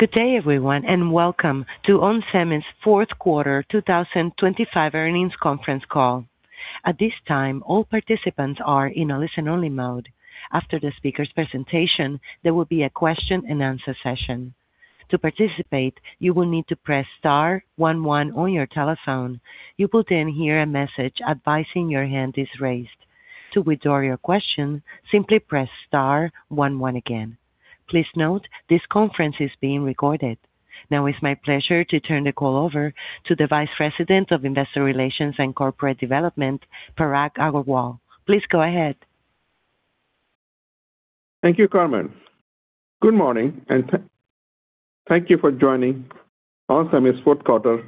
Good day, everyone, and welcome to ON Semiconductor Corporation's Fourth Quarter 2025 Earnings Conference Call. At this time, all participants are in a listen-only mode. After the speaker's presentation, there will be a question-and-answer session. To participate, you will need to press star one one on your telephone. You will then hear a message advising your hand is raised. To withdraw your question, simply press star one one again. Please note, this conference is being recorded. Now it's my pleasure to turn the call over to the Vice President of Investor Relations and Corporate Development, Parag Agarwal. Please go ahead. Thank you, Carmen. Good morning, and thank you for joining ON Semiconductor Corporation's Fourth Quarter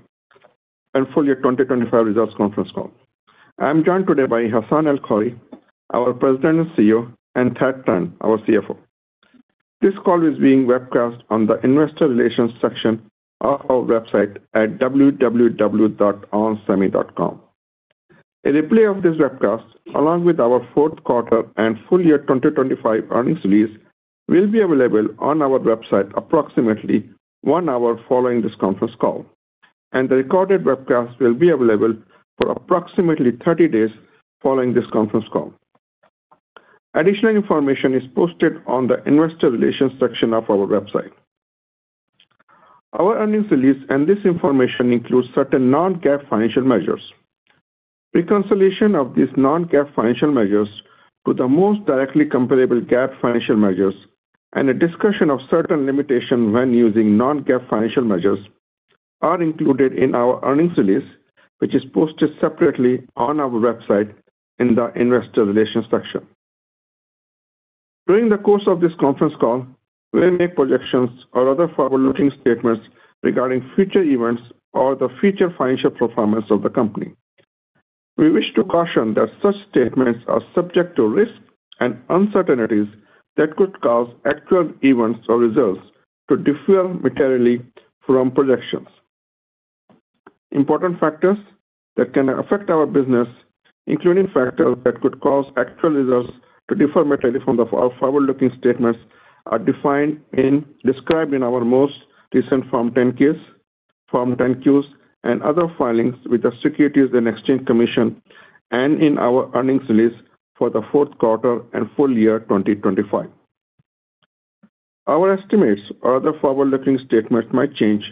and Full Year 2025 Results Conference Call. I'm joined today by Hassane El-Khoury, our President and CEO, and Thad Trent, our CFO. This call is being webcast on the Investor Relations section of our website at www.onsemiconductor.com. A replay of this webcast, along with our fourth quarter and full year 2025 earnings release, will be available on our website approximately one hour following this conference call, and the recorded webcast will be available for approximately 30 days following this conference call. Additional information is posted on the Investor Relations section of our website. Our earnings release and this information include certain non-GAAP financial measures. Reconciliation of these non-GAAP financial measures to the most directly comparable GAAP financial measures, and a discussion of certain limitations when using non-GAAP financial measures, are included in our earnings release, which is posted separately on our website in the Investor Relations section. During the course of this conference call, we may make projections or other forward-looking statements regarding future events or the future financial performance of the company. We wish to caution that such statements are subject to risk and uncertainties that could cause actual events or results to differ materially from projections. Important factors that can affect our business, including factors that could cause actual results to differ materially from our forward-looking statements, are described in our most recent Form 10-Qs and other filings with the Securities and Exchange Commission and in our earnings release for the fourth quarter and full year 2025. Our estimates or other forward-looking statements might change,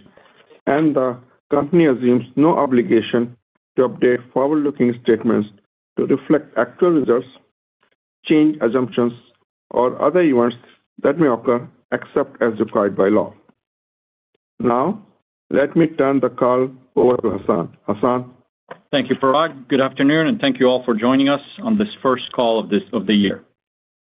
and the company assumes no obligation to update forward-looking statements to reflect actual results, change assumptions, or other events that may occur except as required by law. Now, let me turn the call over to Hassane. Hassane. Thank you, Parag. Good afternoon, and thank you all for joining us on this first call of the year.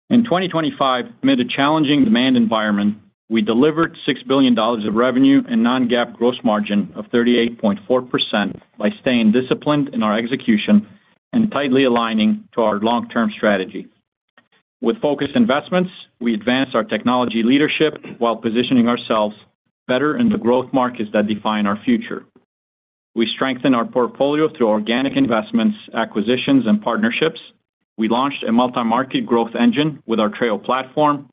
In 2025, amid a challenging demand environment, we delivered $6 billion of revenue and non-GAAP gross margin of 38.4% by staying disciplined in our execution and tightly aligning to our long-term strategy. With focused investments, we advanced our technology leadership while positioning ourselves better in the growth markets that define our future. We strengthened our portfolio through organic investments, acquisitions, and partnerships. We launched a multi-market growth engine with our Treo Platform.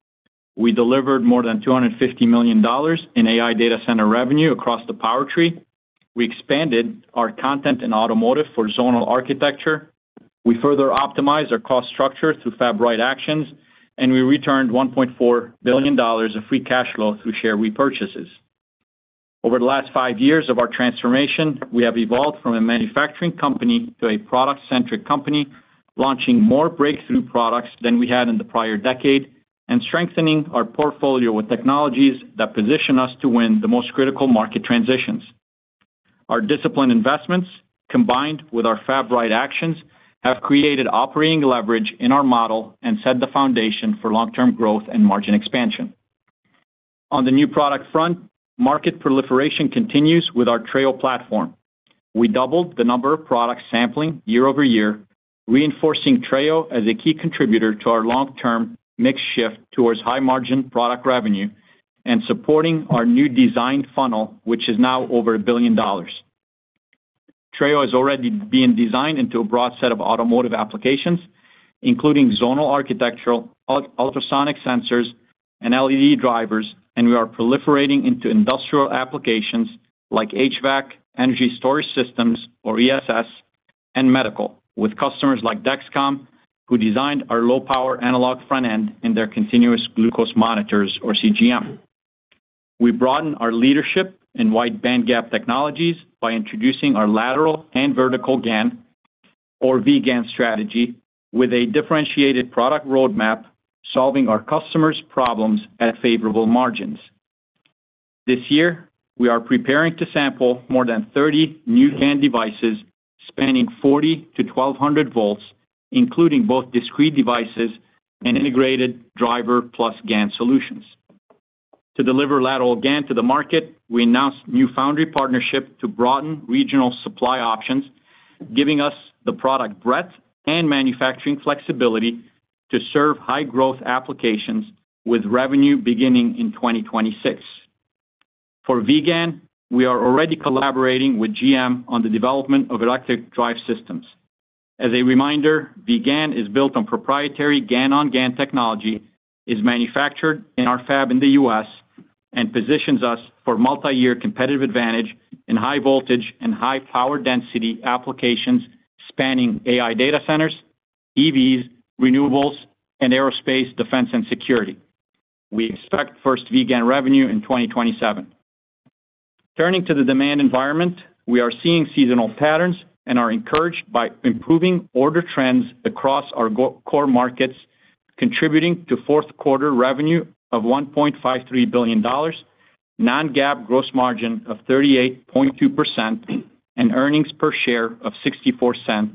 We delivered more than $250 million in AI data center revenue across the power tree. We expanded our content and automotive for Zonal Architecture. We further optimized our cost structure through FabRight actions, and we returned $1.4 billion of free cash flow through share repurchases. Over the last five years of our transformation, we have evolved from a manufacturing company to a product-centric company, launching more breakthrough products than we had in the prior decade and strengthening our portfolio with technologies that position us to win the most critical market transitions. Our disciplined investments, combined with our FabRight actions, have created operating leverage in our model and set the foundation for long-term growth and margin expansion. On the new product front, market proliferation continues with our Treo platform. We doubled the number of products sampling year-over-year, reinforcing Treo as a key contributor to our long-term mixed shift towards high-margin product revenue and supporting our new design funnel, which is now over $1 billion. Treo is already being designed into a broad set of automotive applications, including zonal architecture ultrasonic sensors and LED drivers, and we are proliferating into industrial applications like HVAC, Energy Storage Systems or ESS, and Medical, with customers like Dexcom who designed our low-power analog front end in their continuous glucose monitors or CGM. We broaden our leadership in wide-bandgap technologies by introducing our lateral and vertical GaN or V-GaN strategy with a differentiated product roadmap, solving our customers' problems at favorable margins. This year, we are preparing to sample more than 30 new GaN devices spanning 40 V-1,200 V, including both discrete devices and integrated driver-plus-GaN solutions. To deliver lateral GaN to the market, we announced new foundry partnership to broaden regional supply options, giving us the product breadth and manufacturing flexibility to serve high-growth applications with revenue beginning in 2026. For V-GaN, we are already collaborating with GM on the development of electric drive systems. As a reminder, V-GaN is built on proprietary GaN-on-GaN technology, is manufactured in our fab in the U.S., and positions us for multi-year competitive advantage in high-voltage and high-power density applications spanning AI data centers, EVs, renewables, and aerospace defense and security. We expect first V-GaN revenue in 2027. Turning to the demand environment, we are seeing seasonal patterns and are encouraged by improving order trends across our core markets, contributing to fourth quarter revenue of $1.53 billion, non-GAAP gross margin of 38.2%, and earnings per share of $0.64,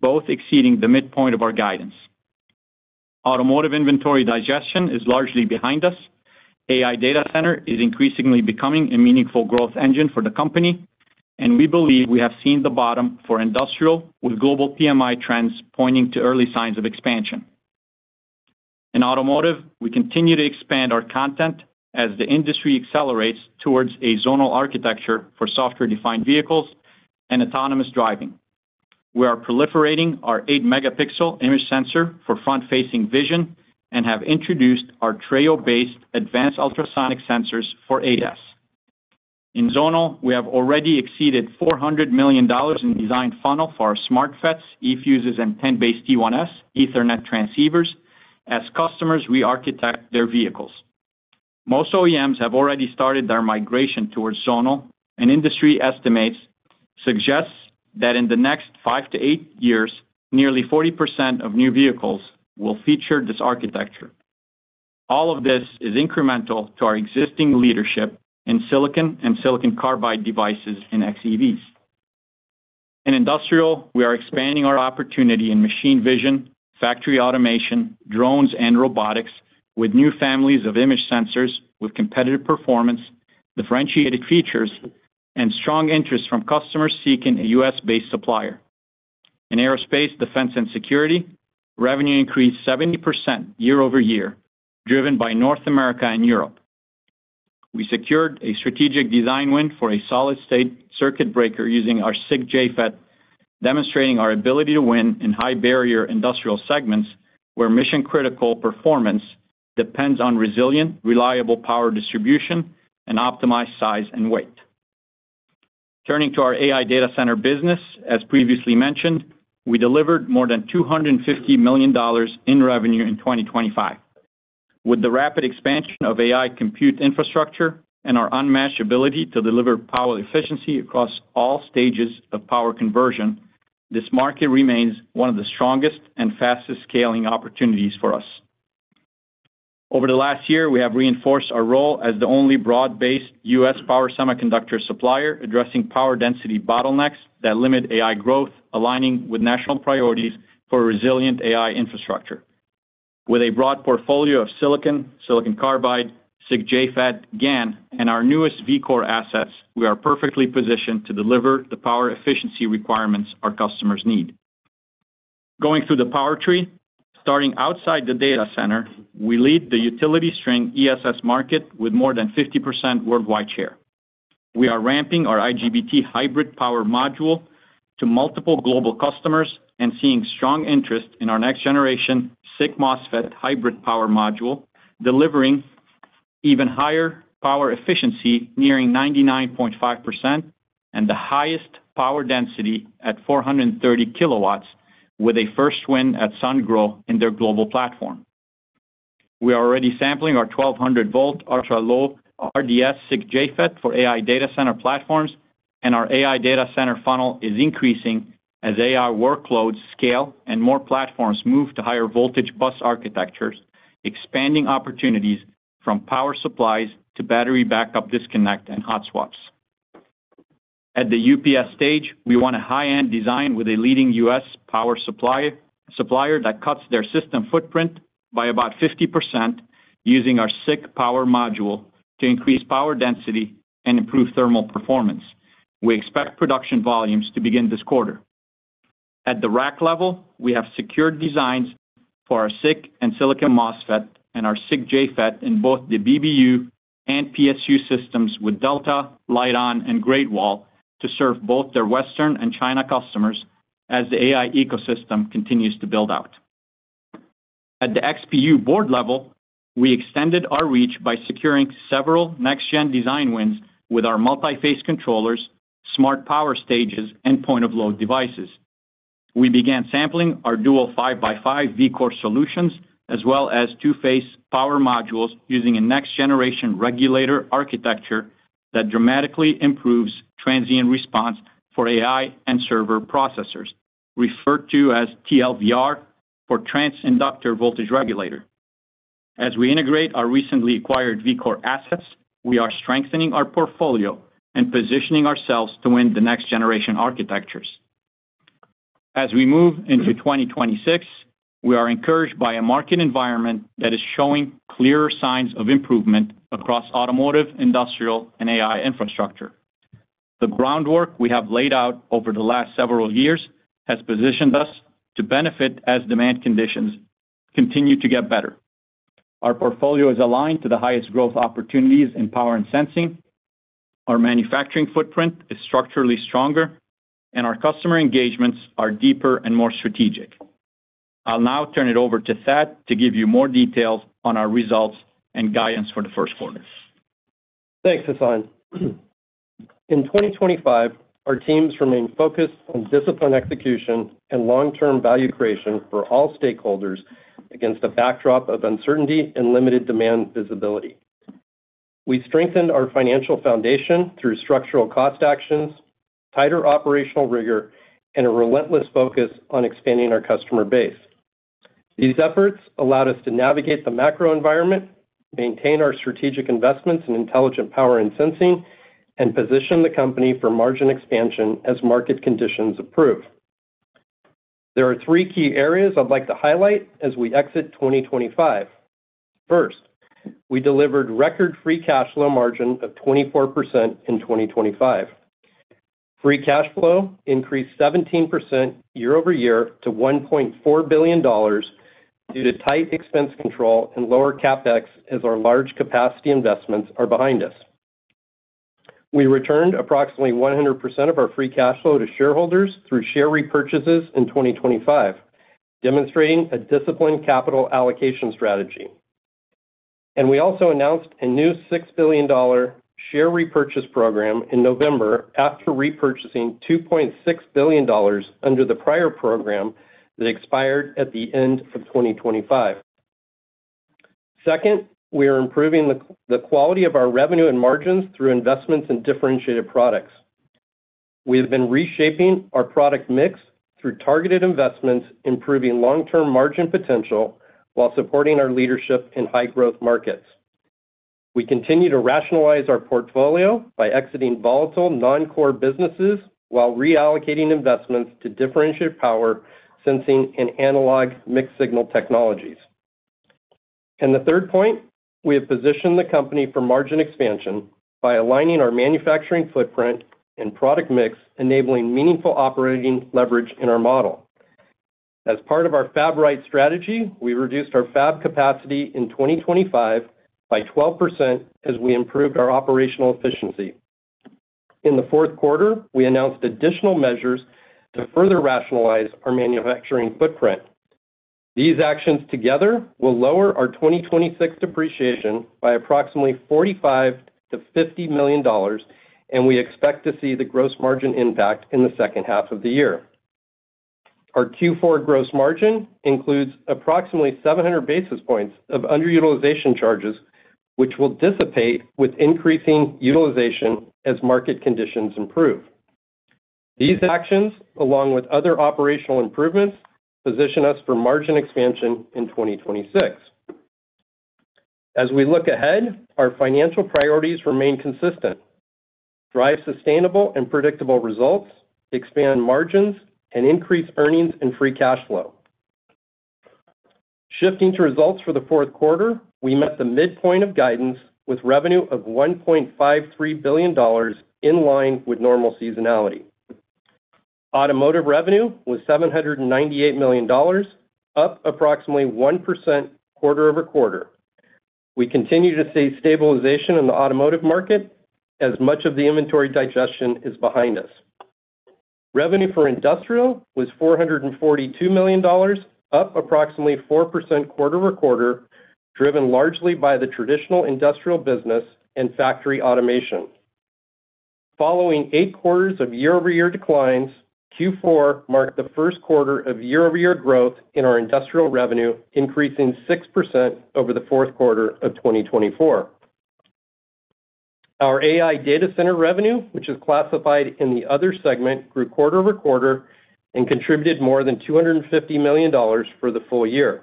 both exceeding the midpoint of our guidance. Automotive inventory digestion is largely behind us. AI data center is increasingly becoming a meaningful growth engine for the company, and we believe we have seen the bottom for industrial, with global PMI trends pointing to early signs of expansion. In automotive, we continue to expand our content as the industry accelerates towards a zonal architecture for software-defined vehicles and autonomous driving. We are proliferating our 8 MP image sensor for front-facing vision and have introduced our Treo-based advanced ultrasonic sensors for ADAS. In zonal, we have already exceeded $400 million in design funnel for our SmartFETs, eFuses, and 10BASE-T1S Ethernet transceivers as customers re-architect their vehicles. Most OEMs have already started their migration towards zonal, and industry estimates suggest that in the next five to eight years, nearly 40% of new vehicles will feature this architecture. All of this is incremental to our existing leadership in silicon and silicon carbide devices in xEVs. In industrial, we are expanding our opportunity in machine vision, factory automation, drones, and robotics with new families of image sensors with competitive performance, differentiated features, and strong interest from customers seeking a U.S.-based supplier. In aerospace, defense, and security, revenue increased 70% year-over-year, driven by North America and Europe. We secured a strategic design win for a solid-state circuit breaker using our SiC JFET, demonstrating our ability to win in high-barrier industrial segments where mission-critical performance depends on resilient, reliable power distribution and optimized size and weight. Turning to our AI data center business, as previously mentioned, we delivered more than $250 million in revenue in 2025. With the rapid expansion of AI compute infrastructure and our unmatched ability to deliver power efficiency across all stages of power conversion, this market remains one of the strongest and fastest-scaling opportunities for us. Over the last year, we have reinforced our role as the only broad-based U.S. power semiconductor supplier, addressing power density bottlenecks that limit AI growth, aligning with national priorities for resilient AI infrastructure. With a broad portfolio of silicon, silicon carbide, SiC JFET, GaN, and our newest VCore assets, we are perfectly positioned to deliver the power efficiency requirements our customers need. Going through the power tree, starting outside the data center, we lead the utility string ESS market with more than 50% worldwide share. We are ramping our IGBT hybrid power module to multiple global customers and seeing strong interest in our next-generation SiC MOSFET hybrid power module, delivering even higher power efficiency nearing 99.5% and the highest power density at 430 kW, with a first win at Sungrow in their global platform. We are already sampling our 1,200 V ultra-low RDS SiC JFET for AI data center platforms, and our AI data center funnel is increasing as AI workloads scale and more platforms move to higher-voltage bus architectures, expanding opportunities from power supplies to battery backup disconnect and hot swaps. At the UPS stage, we want a high-end design with a leading U.S. power supplier that cuts their system footprint by about 50% using our SiC power module to increase power density and improve thermal performance. We expect production volumes to begin this quarter. At the rack level, we have secured designs for our SiC and silicon MOSFET and our SiC JFET in both the BBU and PSU systems with Delta, Lite-On, and Great Wall to serve both their Western and China customers as the AI ecosystem continues to build out. At the XPU board level, we extended our reach by securing several next-gen design wins with our multi-phase controllers, smart power stages, and point-of-load devices. We began sampling our dual 5x5 VCore solutions as well as two-phase power modules using a next-generation regulator architecture that dramatically improves transient response for AI and server processors, referred to as TLVR for trans-inductor voltage regulator. As we integrate our recently acquired VCore assets, we are strengthening our portfolio and positioning ourselves to win the next-generation architectures. As we move into 2026, we are encouraged by a market environment that is showing clearer signs of improvement across automotive, industrial, and AI infrastructure. The groundwork we have laid out over the last several years has positioned us to benefit as demand conditions continue to get better. Our portfolio is aligned to the highest growth opportunities in power and sensing. Our manufacturing footprint is structurally stronger, and our customer engagements are deeper and more strategic. I'll now turn it over to Thad to give you more details on our results and guidance for the first quarter. Thanks, Hassane. In 2025, our teams remain focused on disciplined execution and long-term value creation for all stakeholders against a backdrop of uncertainty and limited demand visibility. We strengthened our financial foundation through structural cost actions, tighter operational rigor, and a relentless focus on expanding our customer base. These efforts allowed us to navigate the macro environment, maintain our strategic investments in intelligent power and sensing, and position the company for margin expansion as market conditions improve. There are three key areas I'd like to highlight as we exit 2025. First, we delivered record free cash flow margin of 24% in 2025. Free cash flow increased 17% year-over-year to $1.4 billion due to tight expense control and lower CapEx as our large capacity investments are behind us. We returned approximately 100% of our free cash flow to shareholders through share repurchases in 2025, demonstrating a disciplined capital allocation strategy. We also announced a new $6 billion share repurchase program in November after repurchasing $2.6 billion under the prior program that expired at the end of 2025. Second, we are improving the quality of our revenue and margins through investments in differentiated products. We have been reshaping our product mix through targeted investments, improving long-term margin potential while supporting our leadership in high-growth markets. We continue to rationalize our portfolio by exiting volatile non-core businesses while reallocating investments to differentiate power, sensing, and analog mixed signal technologies. The third point, we have positioned the company for margin expansion by aligning our manufacturing footprint and product mix, enabling meaningful operating leverage in our model. As part of our FabRight strategy, we reduced our fab capacity in 2025 by 12% as we improved our operational efficiency. In the fourth quarter, we announced additional measures to further rationalize our manufacturing footprint. These actions together will lower our 2026 depreciation by approximately $45 million-$50 million, and we expect to see the gross margin impact in the second half of the year. Our Q4 gross margin includes approximately 700 basis points of underutilization charges, which will dissipate with increasing utilization as market conditions improve. These actions, along with other operational improvements, position us for margin expansion in 2026. As we look ahead, our financial priorities remain consistent: drive sustainable and predictable results, expand margins, and increase earnings and free cash flow. Shifting to results for the fourth quarter, we met the midpoint of guidance with revenue of $1.53 billion in line with normal seasonality. Automotive revenue was $798 million, up approximately 1% quarter-over-quarter. We continue to see stabilization in the automotive market as much of the inventory digestion is behind us. Revenue for industrial was $442 million, up approximately 4% quarter-over-quarter, driven largely by the traditional industrial business and factory automation. Following eight quarters of year-over-year declines, Q4 marked the first quarter of year-over-year growth in our industrial revenue, increasing 6% over the fourth quarter of 2024. Our AI data center revenue, which is classified in the other segment, grew quarter-over-quarter and contributed more than $250 million for the full year.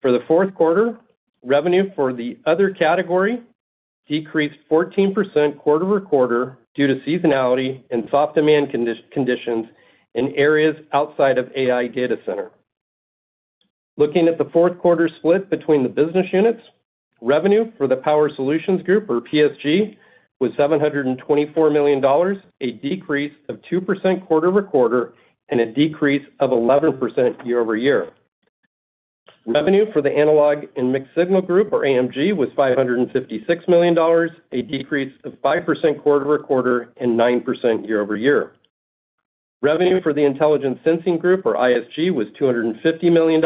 For the fourth quarter, revenue for the other category decreased 14% quarter-over-quarter due to seasonality and soft demand conditions in areas outside of AI data center. Looking at the fourth quarter split between the business units, revenue for the Power Solutions Group, or PSG, was $724 million, a decrease of 2% quarter-over-quarter and a decrease of 11% year-over-year. Revenue for the Analog and Mixed Signal Group, or AMG, was $556 million, a decrease of 5% quarter-over-quarter and 9% year-over-year. Revenue for the Intelligent Sensing Group, or ISG, was $250 million,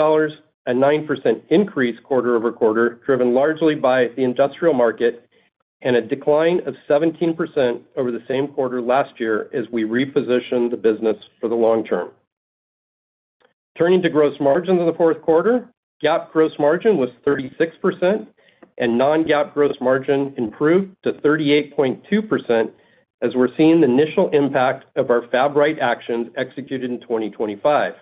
a 9% increase quarter-over-quarter, driven largely by the industrial market and a decline of 17% over the same quarter last year as we repositioned the business for the long term. Turning to gross margins of the fourth quarter, GAAP gross margin was 36% and non-GAAP gross margin improved to 38.2% as we're seeing the initial impact of our FabRight actions executed in 2025.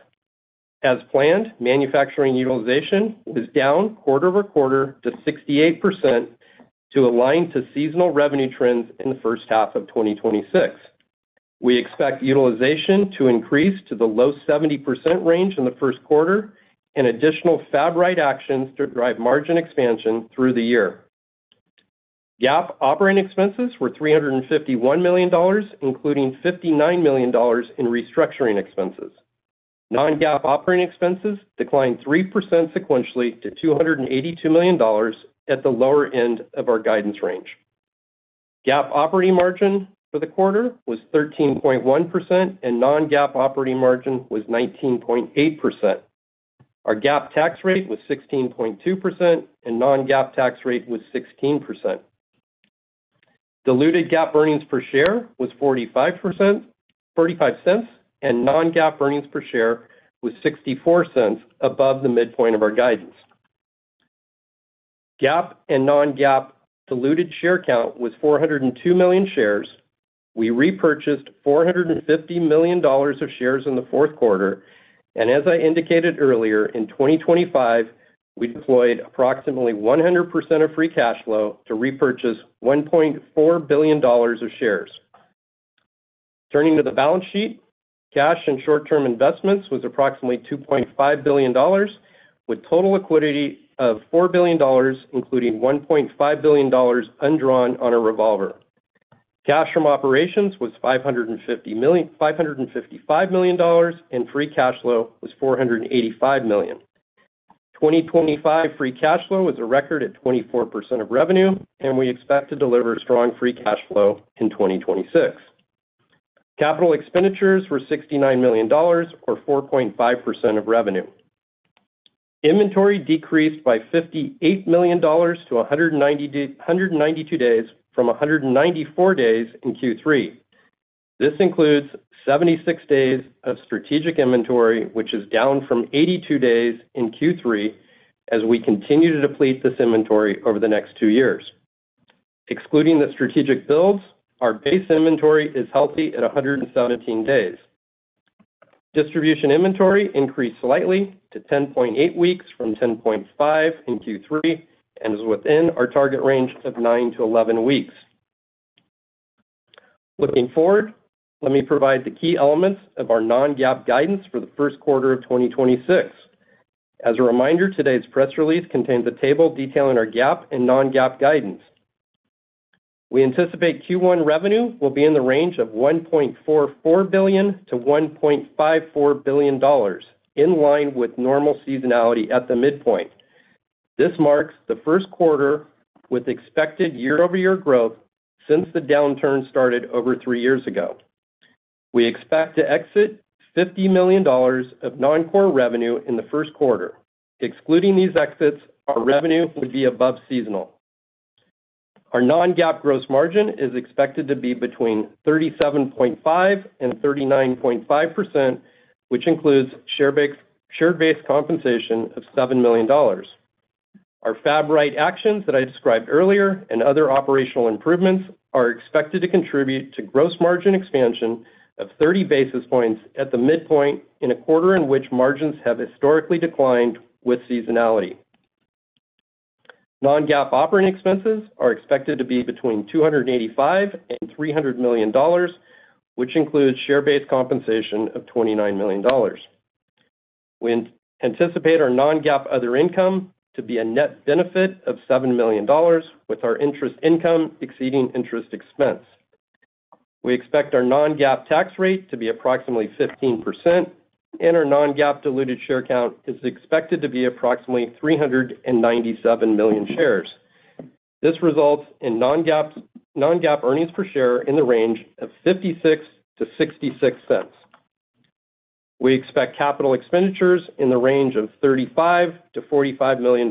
As planned, manufacturing utilization is down quarter-over-quarter to 68% to align to seasonal revenue trends in the first half of 2026. We expect utilization to increase to the low 70% range in the first quarter and additional FabRight actions to drive margin expansion through the year. GAAP operating expenses were $351 million, including $59 million in restructuring expenses. Non-GAAP operating expenses declined 3% sequentially to $282 million at the lower end of our guidance range. GAAP operating margin for the quarter was 13.1% and non-GAAP operating margin was 19.8%. Our GAAP tax rate was 16.2% and non-GAAP tax rate was 16%. Diluted GAAP earnings per share was $0.45, and non-GAAP earnings per share was $0.64 above the midpoint of our guidance. GAAP and non-GAAP diluted share count was 402 million shares. We repurchased $450 million of shares in the fourth quarter. As I indicated earlier, in 2025, we deployed approximately 100% of free cash flow to repurchase $1.4 billion of shares. Turning to the balance sheet, cash and short-term investments was approximately $2.5 billion, with total liquidity of $4 billion, including $1.5 billion undrawn on a revolver. Cash from operations was $555 million, and free cash flow was $485 million. 2025 free cash flow was a record at 24% of revenue, and we expect to deliver strong free cash flow in 2026. capital expenditures were $69 million, or 4.5% of revenue. Inventory decreased by $58 million to 192 days from 194 days in Q3. This includes 76 days of strategic inventory, which is down from 82 days in Q3 as we continue to deplete this inventory over the next two years. Excluding the strategic builds, our base inventory is healthy at 117 days. Distribution inventory increased slightly to 10.8 weeks from 10.5 in Q3 and is within our target range of nine to 11 weeks. Looking forward, let me provide the key elements of our non-GAAP guidance for the first quarter of 2026. As a reminder, today's press release contains a table detailing our GAAP and non-GAAP guidance. We anticipate Q1 revenue will be in the range of $1.44 billion-$1.54 billion, in line with normal seasonality at the midpoint. This marks the first quarter with expected year-over-year growth since the downturn started over three years ago. We expect to exit $50 million of non-core revenue in the first quarter. Excluding these exits, our revenue would be above seasonal. Our non-GAAP gross margin is expected to be between 37.5%-39.5%, which includes share-based compensation of $7 million. Our FabRight actions that I described earlier and other operational improvements are expected to contribute to gross margin expansion of 30 basis points at the midpoint in a quarter in which margins have historically declined with seasonality. Non-GAAP operating expenses are expected to be between $285 million-$300 million, which includes share-based compensation of $29 million. We anticipate our non-GAAP other income to be a net benefit of $7 million, with our interest income exceeding interest expense. We expect our non-GAAP tax rate to be approximately 15%, and our non-GAAP diluted share count is expected to be approximately 397 million shares. This results in non-GAAP earnings per share in the range of $0.56-$0.66. We expect capital expenditures in the range of $35 million-$45 million.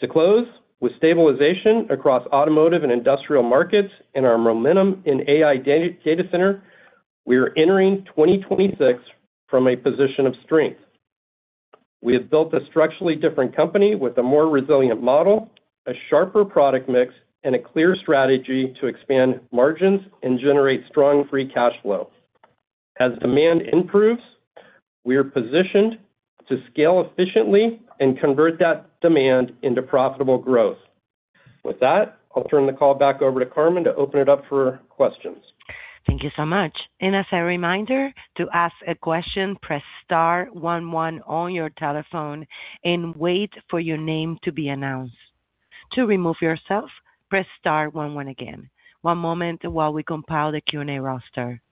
To close, with stabilization across automotive and industrial markets and our momentum in AI data center, we are entering 2026 from a position of strength. We have built a structurally different company with a more resilient model, a sharper product mix, and a clear strategy to expand margins and generate strong free cash flow. As demand improves, we are positioned to scale efficiently and convert that demand into profitable growth. With that, I'll turn the call back over to Carmen to open it up for questions. Thank you so much. As a reminder, to ask a question, press star one one on your telephone and wait for your name to be announced. To remove yourself, press star one one again. One moment while we compile the Q&A roster.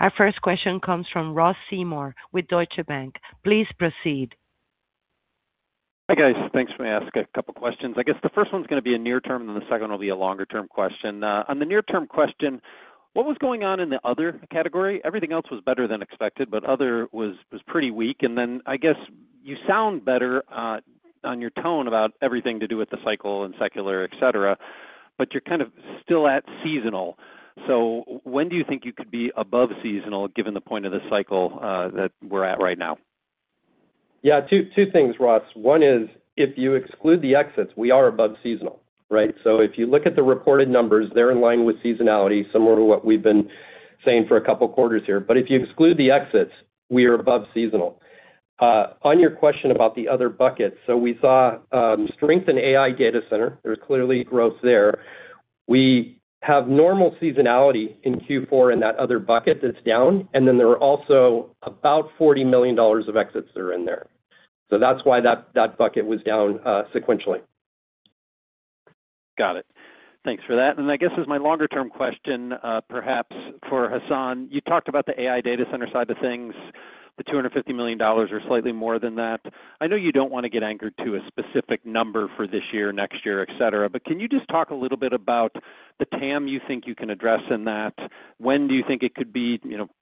Our first question comes from Ross Seymore with Deutsche Bank. Please proceed. Hi guys. Thanks for asking a couple of questions. I guess the first one's going to be a near-term and then the second will be a longer-term question. On the near-term question, what was going on in the other category? Everything else was better than expected, but other was pretty weak. And then I guess you sound better on your tone about everything to do with the cycle and secular, et cetera, but you're kind of still at seasonal. So when do you think you could be above seasonal given the point of the cycle that we're at right now? Yeah, two things, Ross. One is if you exclude the exits, we are above seasonal, right? So if you look at the reported numbers, they're in line with seasonality, similar to what we've been saying for a couple of quarters here. But if you exclude the exits, we are above seasonal. On your question about the other buckets, so we saw strength in AI data center. There's clearly growth there. We have normal seasonality in Q4 in that other bucket that's down, and then there are also about $40 million of exits that are in there. So that's why that bucket was down sequentially. Got it. Thanks for that. And I guess as my longer-term question, perhaps for Hassane, you talked about the AI data center side of things. The $250 million are slightly more than that. I know you don't want to get anchored to a specific number for this year, next year, et cetera, but can you just talk a little bit about the TAM you think you can address in that? When do you think it could be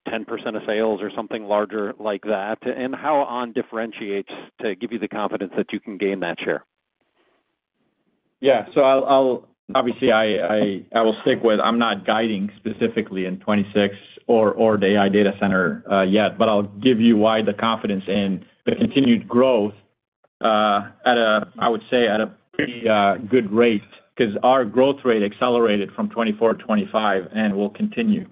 10% of sales or something larger like that? And how ON differentiates to give you the confidence that you can gain that share? Yeah. So obviously, I will stick with I'm not guiding specifically in 2026 or the AI data center yet, but I'll give you why the confidence in the continued growth, I would say, at a pretty good rate because our growth rate accelerated from 2024-2025 and will continue.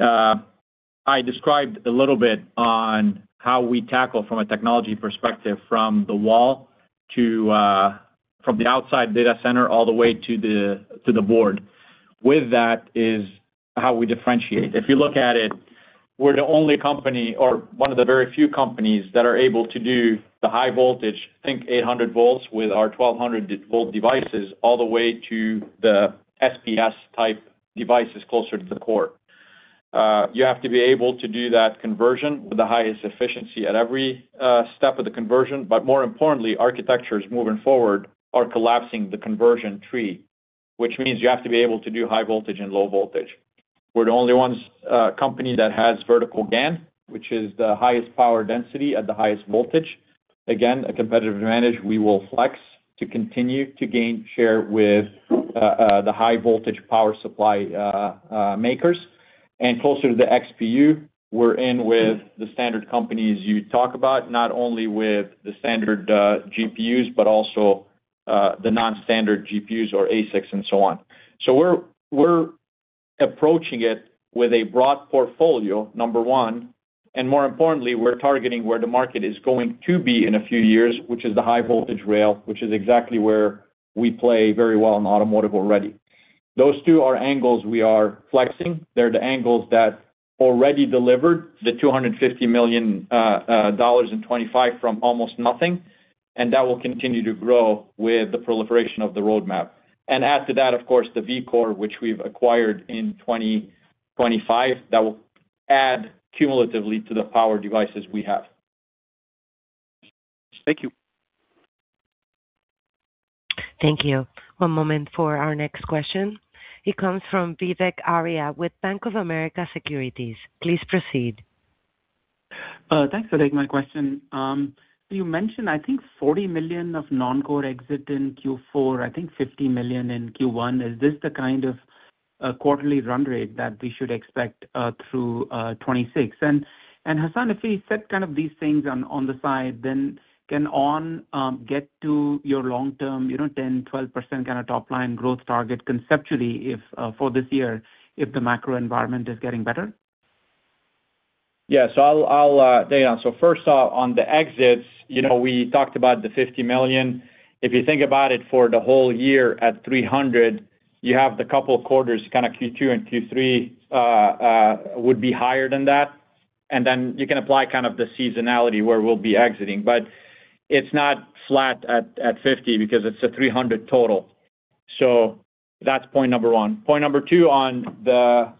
I described a little bit on how we tackle from a technology perspective from the wall, from the outside data center all the way to the board. With that is how we differentiate. If you look at it, we're the only company or one of the very few companies that are able to do the high voltage, think 800 V with our 1200 V devices, all the way to the SPS-type devices closer to the core. You have to be able to do that conversion with the highest efficiency at every step of the conversion. But more importantly, architectures moving forward are collapsing the conversion tree, which means you have to be able to do high voltage and low voltage. We're the only company that has vertical GaN, which is the highest power density at the highest voltage. Again, a competitive advantage, we will flex to continue to gain share with the high-voltage power supply makers. And closer to the XPU, we're in with the standard companies you talk about, not only with the standard GPUs, but also the non-standard GPUs or ASICs and so on. So we're approaching it with a broad portfolio, number one. And more importantly, we're targeting where the market is going to be in a few years, which is the high-voltage rail, which is exactly where we play very well in automotive already. Those two are angles we are flexing. They're the angles that already delivered the $250 million in 2025 from almost nothing, and that will continue to grow with the proliferation of the roadmap. Add to that, of course, the VCore, which we've acquired in 2025. That will add cumulatively to the power devices we have. Thank you. Thank you. One moment for our next question. It comes from Vivek Arya with Bank of America Securities. Please proceed. Thanks for taking my question. You mentioned, I think, $40 million of non-core exit in Q4, I think $50 million in Q1. Is this the kind of quarterly run rate that we should expect through 2026? And Hassane, if we set kind of these things on the side, then can ON get to your long-term 10%-12% kind of top-line growth target conceptually for this year if the macro environment is getting better? Yeah. So first off, on the exits, we talked about the $50 million. If you think about it for the whole year at $300 million, you have the couple of quarters, kind of Q2 and Q3, would be higher than that. And then you can apply kind of the seasonality where we'll be exiting. But it's not flat at $50 million because it's a $300 million total. So that's point number one. Point number two on the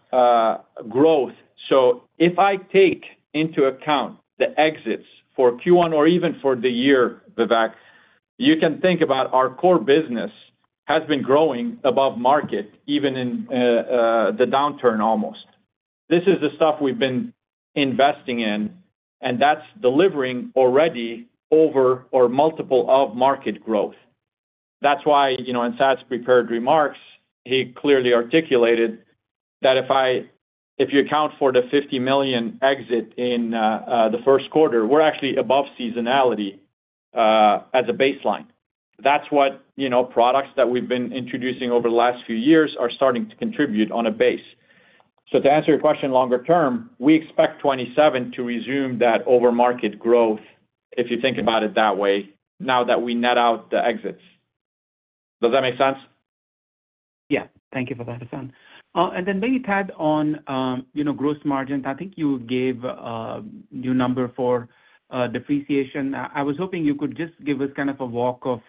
growth. So if I take into account the exits for Q1 or even for the year, Vivek, you can think about our core business has been growing above market even in the downturn almost. This is the stuff we've been investing in, and that's delivering already over or multiple of market growth. That's why in Thad's prepared remarks, he clearly articulated that if you account for the $50 million exit in the first quarter, we're actually above seasonality as a baseline. That's what products that we've been introducing over the last few years are starting to contribute on a base. So to answer your question, longer term, we expect 2027 to resume that over-market growth if you think about it that way now that we net out the exits. Does that make sense? Yeah. Thank you for that, Hassane. And then maybe tied on gross margin, I think you gave your number for depreciation. I was hoping you could just give us kind of a walk of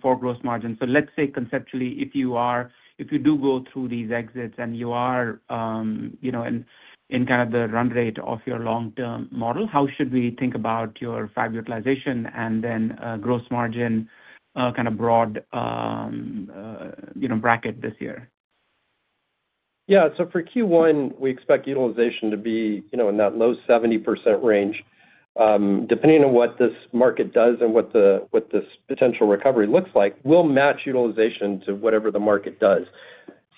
for gross margin. So let's say conceptually, if you do go through these exits and you are in kind of the run rate of your long-term model, how should we think about your fab utilization and then gross margin kind of broad bracket this year? Yeah. So for Q1, we expect utilization to be in that low 70% range. Depending on what this market does and what this potential recovery looks like, we'll match utilization to whatever the market does.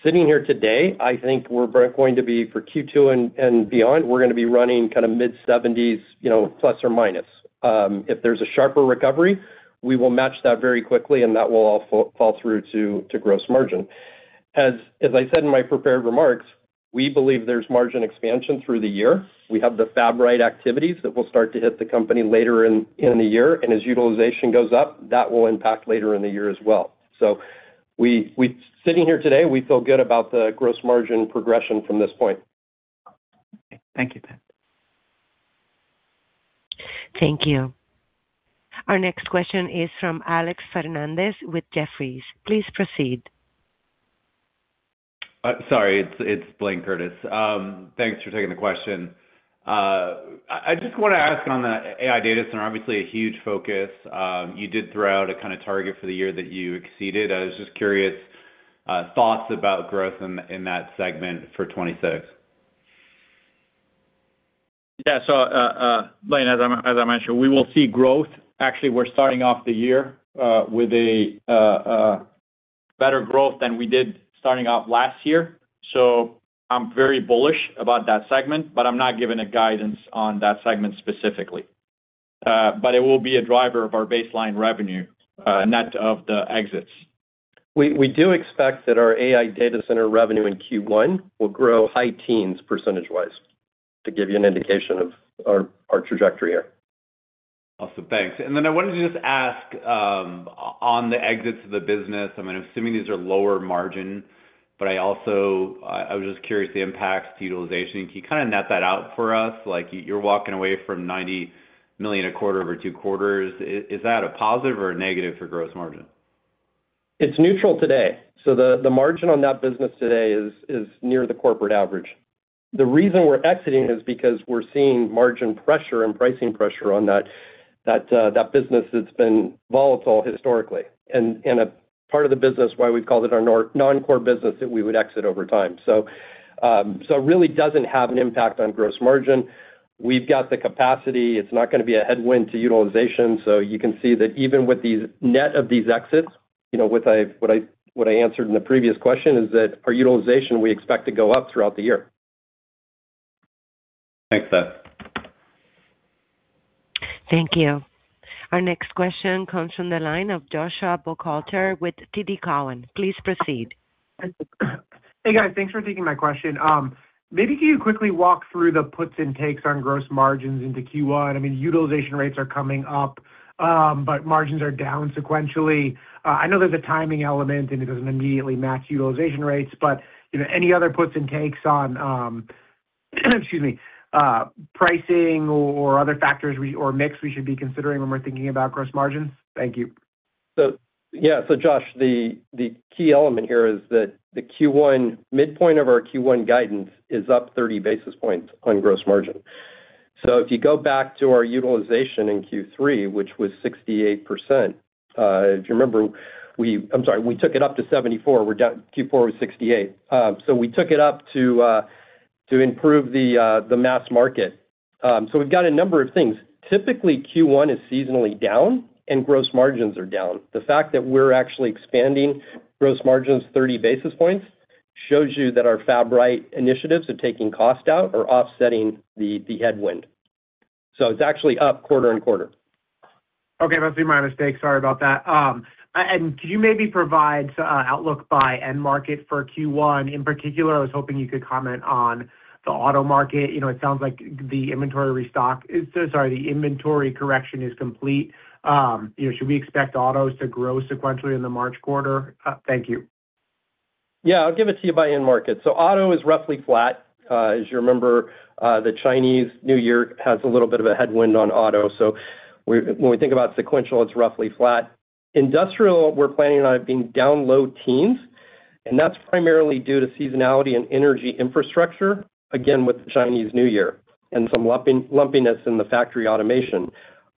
Sitting here today, I think we're going to be for Q2 and beyond, we're going to be running kind of mid-70s ±. If there's a sharper recovery, we will match that very quickly, and that will all fall through to gross margin. As I said in my prepared remarks, we believe there's margin expansion through the year. We have the FabRight activities that will start to hit the company later in the year. And as utilization goes up, that will impact later in the year as well. So sitting here today, we feel good about the gross margin progression from this point. Okay. Thank you, Thad. Thank you. Our next question is from Alex Fernandez with Jefferies. Please proceed. Sorry. It's Blayne Curtis. Thanks for taking the question. I just want to ask on the AI data center, obviously a huge focus. You did throw out a kind of target for the year that you exceeded. I was just curious, thoughts about growth in that segment for 2026? Yeah. So Blayne, as I mentioned, we will see growth. Actually, we're starting off the year with better growth than we did starting off last year. So I'm very bullish about that segment, but I'm not giving a guidance on that segment specifically. But it will be a driver of our baseline revenue net of the exits. We do expect that our AI data center revenue in Q1 will grow high teens percentage-wise, to give you an indication of our trajectory here. Awesome. Thanks. And then I wanted to just ask on the exits of the business, I mean, assuming these are lower margin, but I was just curious the impacts to utilization. Can you kind of net that out for us? You're walking away from $90 million a quarter over two quarters. Is that a positive or a negative for gross margin? It's neutral today. So the margin on that business today is near the corporate average. The reason we're exiting is because we're seeing margin pressure and pricing pressure on that business that's been volatile historically. And part of the business, why we've called it our non-core business that we would exit over time. So it really doesn't have an impact on gross margin. We've got the capacity. It's not going to be a headwind to utilization. So you can see that even with the net of these exits, what I answered in the previous question is that our utilization we expect to go up throughout the year. Thanks, Thad. Thank you. Our next question comes from the line of Joshua Buchalter with TD Cowen. Please proceed. Hey guys. Thanks for taking my question. Maybe can you quickly walk through the puts and takes on gross margins into Q1? I mean, utilization rates are coming up, but margins are down sequentially. I know there's a timing element, and it doesn't immediately match utilization rates, but any other puts and takes on, excuse me, pricing or other factors or mix we should be considering when we're thinking about gross margins? Thank you. So yeah. So Josh, the key element here is that the midpoint of our Q1 guidance is up 30 basis points on gross margin. So if you go back to our utilization in Q3, which was 68%, if you remember, I'm sorry, we took it up to 74. Q4 was 68. So we took it up to improve the mass market. So we've got a number of things. Typically, Q1 is seasonally down and gross margins are down. The fact that we're actually expanding gross margins 30 basis points shows you that our FabRight initiatives are taking cost out or offsetting the headwind. So it's actually up quarter and quarter. Okay. That's been my mistake. Sorry about that. Could you maybe provide an outlook by end market for Q1? In particular, I was hoping you could comment on the auto market. It sounds like the inventory restock is sorry, the inventory correction is complete. Should we expect autos to grow sequentially in the March quarter? Thank you. Yeah. I'll give it to you by end market. So auto is roughly flat. As you remember, the Chinese New Year has a little bit of a headwind on auto. So when we think about sequential, it's roughly flat. Industrial, we're planning on it being down low teens. And that's primarily due to seasonality and energy infrastructure, again, with the Chinese New Year and some lumpiness in the factory automation.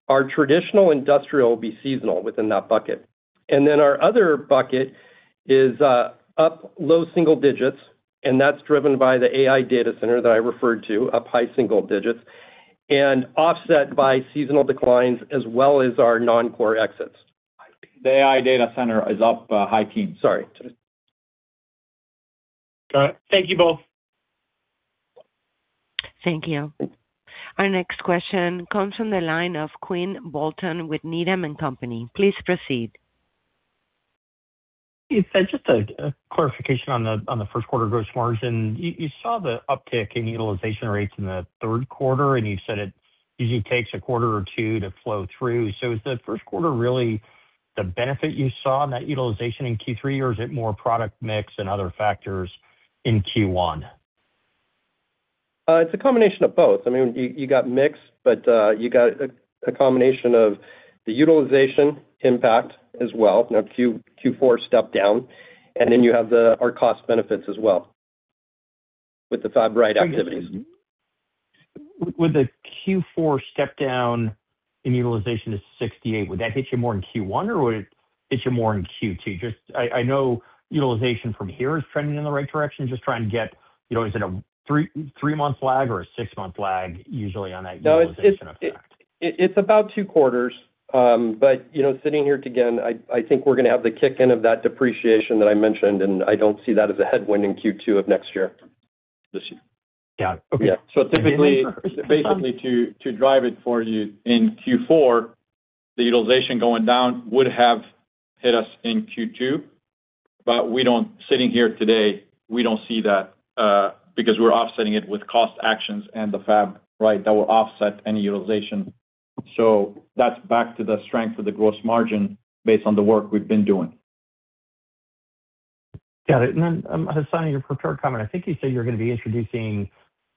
Our traditional industrial will be seasonal within that bucket. And then our other bucket is up low single digits, and that's driven by the AI data center that I referred to, up high single digits, and offset by seasonal declines as well as our non-core exits. The AI data center is up high teens. Sorry. Got it. Thank you both. Thank you. Our next question comes from the line of Quinn Bolton with Needham & Company. Please proceed. You said just a clarification on the first-quarter gross margin. You saw the uptick in utilization rates in the third quarter, and you said it usually takes a quarter or two to flow through. So is the first quarter really the benefit you saw in that utilization in Q3, or is it more product mix and other factors in Q1? It's a combination of both. I mean, you got mix, but you got a combination of the utilization impact as well. Now, Q4 stepped down. Then you have our cost benefits as well with the FabRight activities. With the Q4 stepdown in utilization to 68, would that hit you more in Q1, or would it hit you more in Q2? I know utilization from here is trending in the right direction. Just trying to get is it a three-month lag or a six-month lag usually on that utilization effect? It's about two quarters. But sitting here today, I think we're going to have the kick-in of that depreciation that I mentioned, and I don't see that as a headwind in Q2 of next year. Got it. Okay. Yeah. So basically, to drive it for you, in Q4, the utilization going down would have hit us in Q2. But sitting here today, we don't see that because we're offsetting it with cost actions and the FabRight that will offset any utilization. So that's back to the strength of the gross margin based on the work we've been doing. Got it. Then, Hassane, your prepared comment, I think you said you're going to be introducing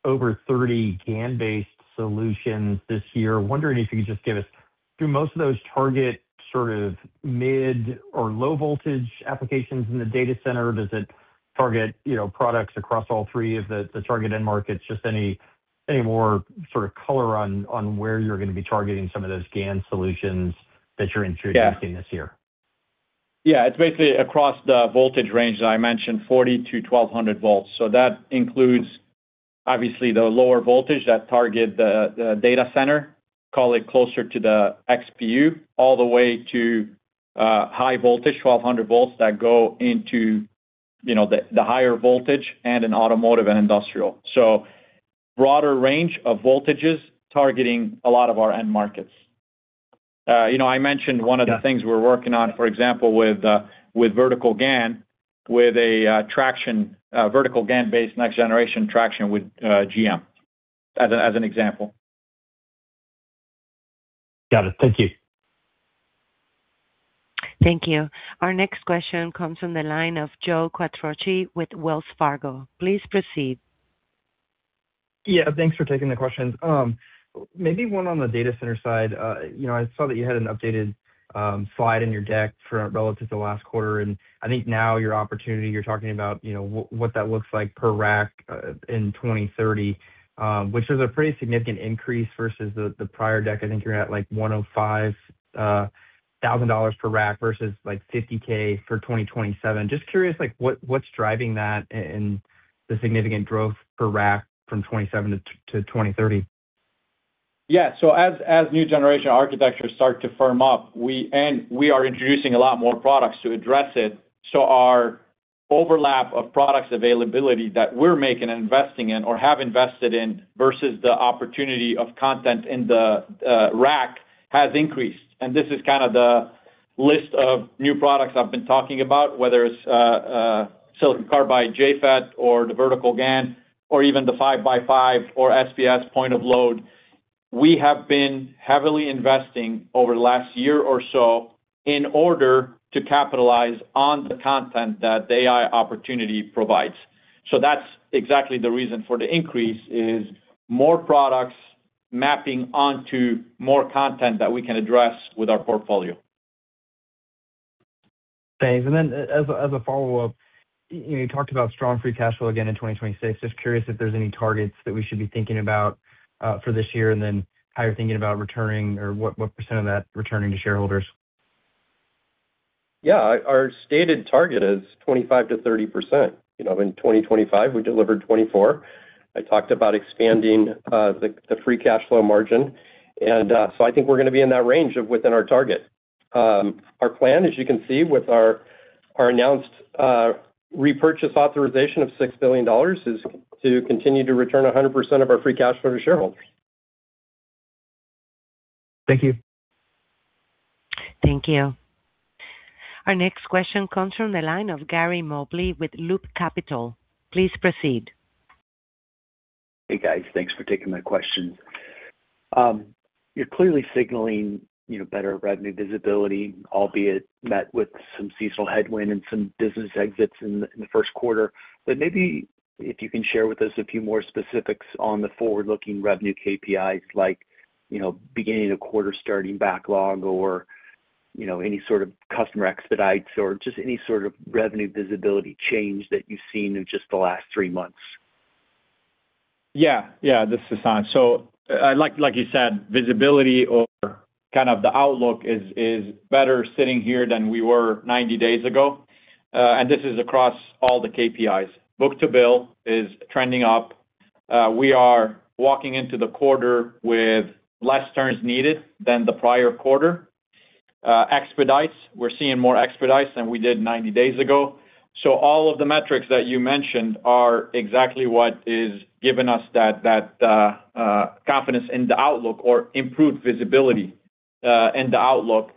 over 30 GaN-based solutions this year. Wondering if you could just give us through most of those target sort of mid or low voltage applications in the data center, does it target products across all three of the target end markets, just any more sort of color on where you're going to be targeting some of those GaN solutions that you're introducing this year? Yeah. It's basically across the voltage range that I mentioned, 40 V-1200 V. So that includes, obviously, the lower voltage that target the data center, call it closer to the XPU, all the way to high voltage, 1200 V that go into the higher voltage and in automotive and industrial. So broader range of voltages targeting a lot of our end markets. I mentioned one of the things we're working on, for example, with vertical GaN, with a vertical GaN-based next-generation traction with GM as an example. Got it. Thank you. Thank you. Our next question comes from the line of Joe Quatrochi with Wells Fargo. Please proceed. Yeah. Thanks for taking the questions. Maybe one on the data center side. I saw that you had an updated slide in your deck relative to last quarter. I think now your opportunity, you're talking about what that looks like per rack in 2030, which is a pretty significant increase versus the prior deck. I think you're at like $105,000 per rack versus like $50,000 for 2027. Just curious, what's driving that and the significant growth per rack from 2027- 2030? Yeah. So as new generation architecture starts to firm up, and we are introducing a lot more products to address it, so our overlap of products availability that we're making and investing in or have invested in versus the opportunity of content in the rack has increased. And this is kind of the list of new products I've been talking about, whether it's silicon carbide JFET or the vertical GaN or even the 5x5 or SPS point of load. We have been heavily investing over the last year or so in order to capitalize on the content that the AI opportunity provides. So that's exactly the reason for the increase is more products mapping onto more content that we can address with our portfolio. Thanks. And then as a follow-up, you talked about strong free cash flow again in 2026. Just curious if there's any targets that we should be thinking about for this year and then how you're thinking about returning or what % of that returning to shareholders? Yeah. Our stated target is 25%-30%. In 2025, we delivered 24. I talked about expanding the free cash flow margin. So I think we're going to be in that range of within our target. Our plan, as you can see with our announced repurchase authorization of $6 billion, is to continue to return 100% of our free cash flow to shareholders. Thank you. Thank you. Our next question comes from the line of Gary Mobley with Loop Capital. Please proceed. Hey guys. Thanks for taking my questions. You're clearly signaling better revenue visibility, albeit met with some seasonal headwind and some business exits in the first quarter. But maybe if you can share with us a few more specifics on the forward-looking revenue KPIs like beginning of quarter starting backlog or any sort of customer expedites or just any sort of revenue visibility change that you've seen in just the last three months. Yeah. Yeah. This is Hassane. So like you said, visibility or kind of the outlook is better sitting here than we were 90 days ago. And this is across all the KPIs. Book to bill is trending up. We are walking into the quarter with less turns needed than the prior quarter. We're seeing more expedites than we did 90 days ago. So all of the metrics that you mentioned are exactly what is giving us that confidence in the outlook or improved visibility in the outlook.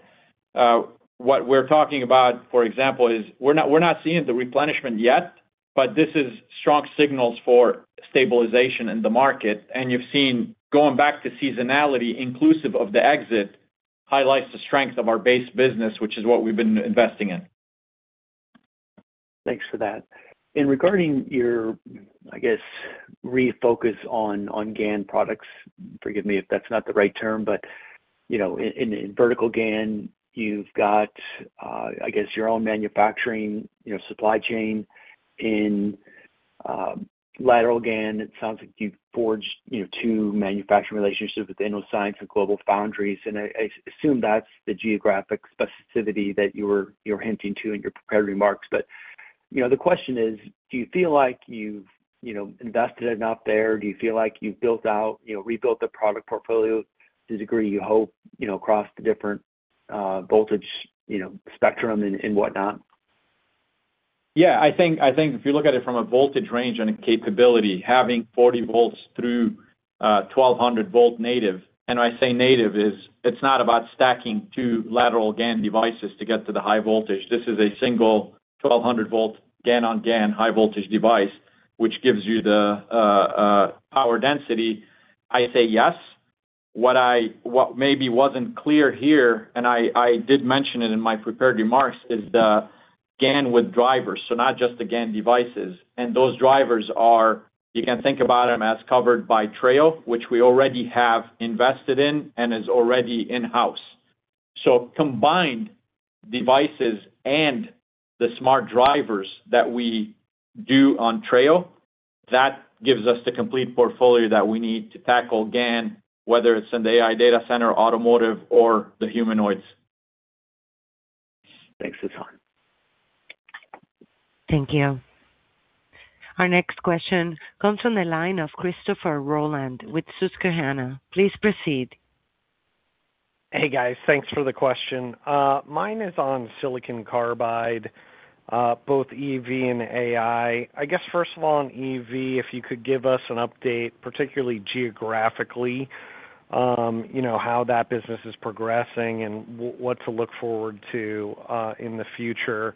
What we're talking about, for example, is we're not seeing the replenishment yet, but this is strong signals for stabilization in the market. And you've seen going back to seasonality, inclusive of the exit, highlights the strength of our base business, which is what we've been investing in. Thanks for that. And regarding your, I guess, refocus on GaN products, forgive me if that's not the right term, but in vertical GaN, you've got, I guess, your own manufacturing supply chain. In lateral GaN, it sounds like you've forged two manufacturing relationships with Innoscience and GlobalFoundries. And I assume that's the geographic specificity that you were hinting to in your prepared remarks. But the question is, do you feel like you've invested enough there? Do you feel like you've rebuilt the product portfolio to the degree you hope across the different voltage spectrum and whatnot? Yeah. I think if you look at it from a voltage range and a capability, having 40 V through 1200 V native and I say native is it's not about stacking two lateral GaN devices to get to the high voltage. This is a single 1200 V GaN-on-GaN high-voltage device, which gives you the power density. I say yes. What maybe wasn't clear here, and I did mention it in my prepared remarks, is the GaN with drivers, so not just the GaN devices. And those drivers, you can think about them as covered by Treo, which we already have invested in and is already in-house. So combined devices and the smart drivers that we do on Treo, that gives us the complete portfolio that we need to tackle GaN, whether it's in the AI data center, automotive, or the humanoids. Thanks, Hassane. Thank you. Our next question comes from the line of Christopher Rolland with Susquehanna. Please proceed. Hey guys. Thanks for the question. Mine is on silicon carbide, both EV and AI. I guess, first of all, on EV, if you could give us an update, particularly geographically, how that business is progressing and what to look forward to in the future.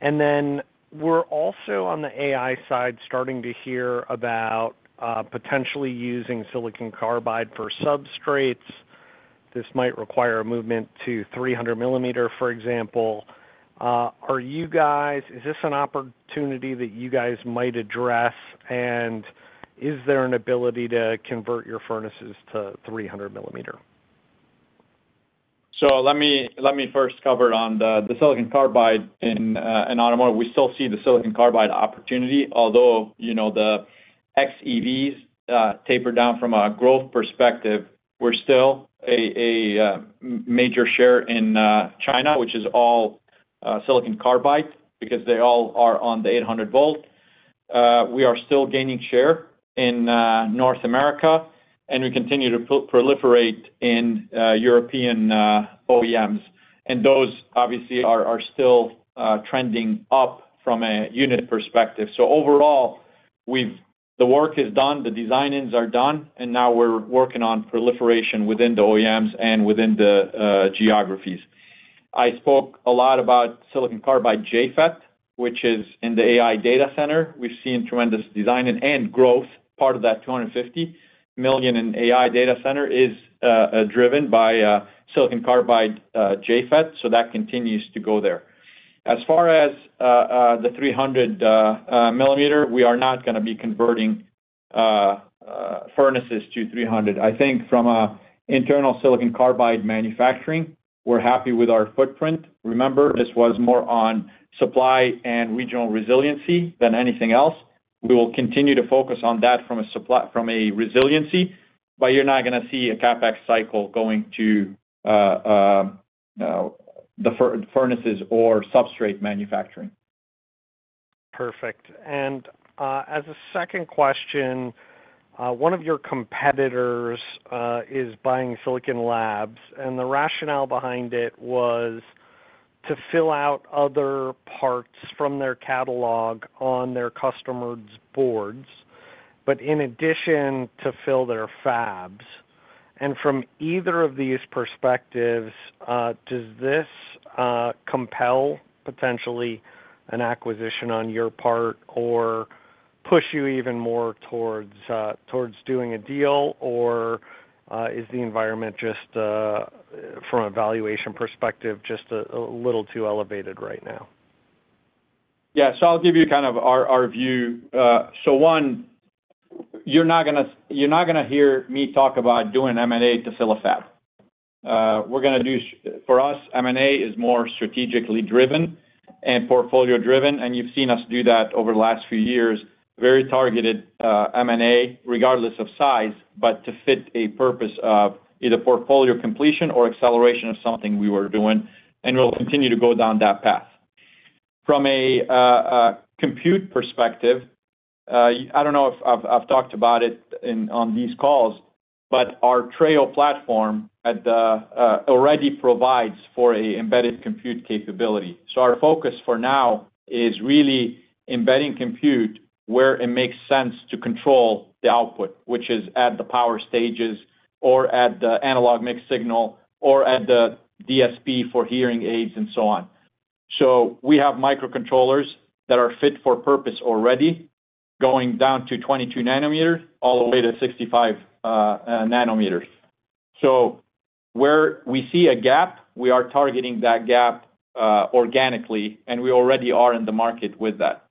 And then we're also on the AI side starting to hear about potentially using silicon carbide for substrates. This might require a movement to 300 mm, for example. Is this an opportunity that you guys might address? And is there an ability to convert your furnaces to 300 mm? So let me first cover on the silicon carbide in automotive. We still see the silicon carbide opportunity, although the xEVs, tapered down from a growth perspective, we're still a major share in China, which is all silicon carbide because they all are on the 800 V. We are still gaining share in North America, and we continue to proliferate in European OEMs. Those, obviously, are still trending up from a unit perspective. So overall, the work is done. The design-ins are done. Now we're working on proliferation within the OEMs and within the geographies. I spoke a lot about silicon carbide JFET, which is in the AI data center. We've seen tremendous design and growth. Part of that $250 million in AI data center is driven by silicon carbide JFET, so that continues to go there. As far as the 300 mm, we are not going to be converting furnaces to 300. I think from an internal silicon carbide manufacturing, we're happy with our footprint. Remember, this was more on supply and regional resiliency than anything else. We will continue to focus on that from a resiliency, but you're not going to see a CapEx cycle going to the furnaces or substrate manufacturing. Perfect. And as a second question, one of your competitors is buying Silicon Labs, and the rationale behind it was to fill out other parts from their catalog on their customer's boards, but in addition to fill their fabs. And from either of these perspectives, does this compel potentially an acquisition on your part or push you even more towards doing a deal, or is the environment just, from a valuation perspective, just a little too elevated right now? Yeah. So I'll give you kind of our view. So one, you're not going to hear me talk about doing M&A to fill a fab. For us, M&A is more strategically driven and portfolio-driven. You've seen us do that over the last few years, very targeted M&A regardless of size, but to fit a purpose of either portfolio completion or acceleration of something we were doing. We'll continue to go down that path. From a compute perspective, I don't know if I've talked about it on these calls, but our Treo Platform already provides for an embedded compute capability. Our focus for now is really embedding compute where it makes sense to control the output, which is at the power stages or at the analog mixed-signal or at the DSP for hearing aids and so on. We have microcontrollers that are fit for purpose already, going down to 22 nm all the way to 65 nm. Where we see a gap, we are targeting that gap organically, and we already are in the market with that.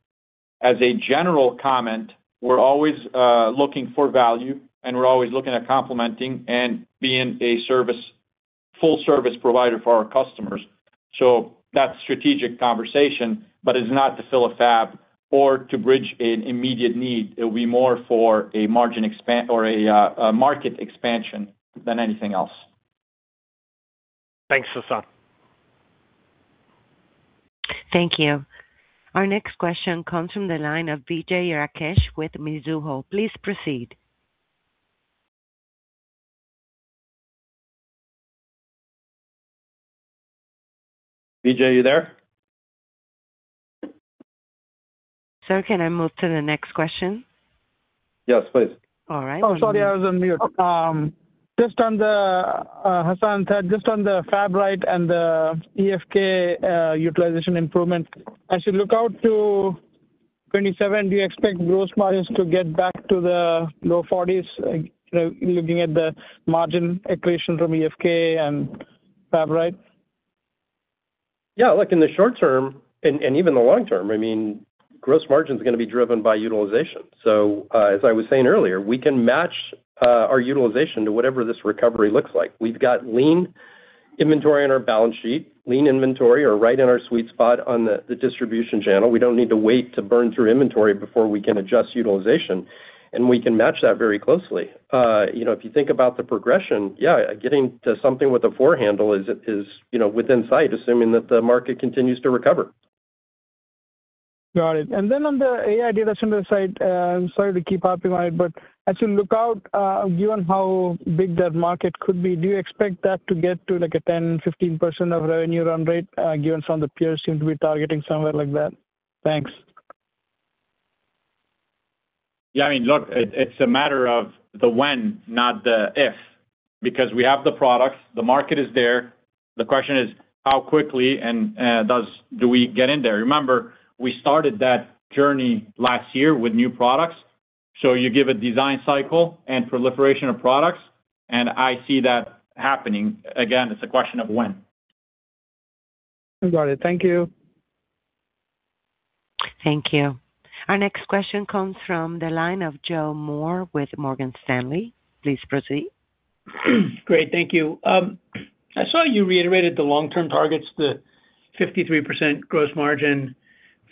As a general comment, we're always looking for value, and we're always looking at complementing and being a full-service provider for our customers. So that's strategic conversation, but it's not to fill a fab or to bridge an immediate need. It'll be more for a margin or a market expansion than anything else. Thanks, Hassane. Thank you. Our next question comes from the line of Vijay Rakesh with Mizuho. Please proceed. Vijay, are you there? Sir, can I move to the next question? Yes, please. All right. Oh, sorry. I was on mute. Hassane said just on the FabRight and the EFK utilization improvement, as you look out to 2027, do you expect gross margins to get back to the low 40s% looking at the margin equation from EFK and FabRight? Yeah. In the short term and even the long term, I mean, gross margin is going to be driven by utilization. So as I was saying earlier, we can match our utilization to whatever this recovery looks like. We've got lean inventory in our balance sheet, lean inventory are right in our sweet spot on the distribution channel. We don't need to wait to burn through inventory before we can adjust utilization. And we can match that very closely. If you think about the progression, yeah, getting to something with a 40 handle is within sight, assuming that the market continues to recover. Got it. And then on the AI data center side, sorry to keep harping on it, but as you look out, given how big that market could be, do you expect that to get to a 10%-15% of revenue run rate, given some of the peers seem to be targeting somewhere like that? Thanks. Yeah. I mean, look, it's a matter of the when, not the if, because we have the products. The market is there. The question is, how quickly do we get in there? Remember, we started that journey last year with new products. So you give a design cycle and proliferation of products, and I see that happening. Again, it's a question of when. Got it. Thank you. Thank you. Our next question comes from the line of Joe Moore with Morgan Stanley. Please proceed. Great. Thank you. I saw you reiterated the long-term targets, the 53% gross margin,